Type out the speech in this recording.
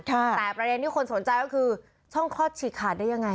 แต่ประเด็นที่คนสนใจก็คือช่องคลอดฉีกขาดได้ยังไง